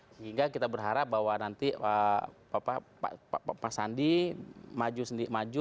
sehingga kita berharap bahwa nanti pak sandi maju